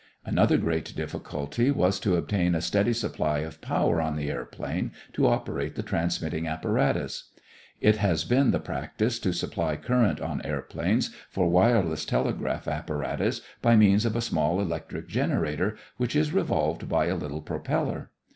Another great difficulty was to obtain a steady supply of power on the airplane to operate the transmitting apparatus. It has been the practice to supply current on airplanes for wireless telegraph apparatus by means of a small electric generator which is revolved by a little propeller.